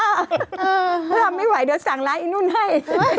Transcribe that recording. ถ้าทำไม่ไหวเดี๋ยวสั่งร้านไอ้นุ่นให้